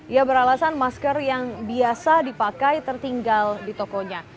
ia beralasan masker yang biasa dipakai tertinggal di tokonya